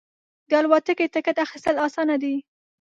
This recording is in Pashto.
د الوتکې ټکټ اخیستل اسانه دی.